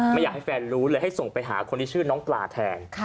ไม่อยากให้แฟนรู้เลยให้ส่งไปหาคนที่ชื่อน้องปลาแทน